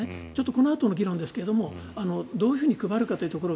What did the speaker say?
このあとの議論ですがどういうふうに配るかというところ。